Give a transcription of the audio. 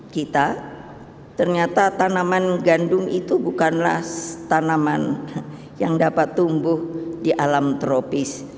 kita ternyata tanaman gandum itu bukanlah tanaman yang dapat tumbuh di alam tropis